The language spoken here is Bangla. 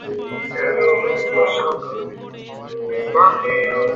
দিনটা ভালো কাটুক।